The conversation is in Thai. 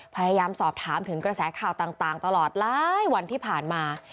พยายามสอบถามถึงกระแสข่าวต่างตลอดหลายวันที่ผ่านมา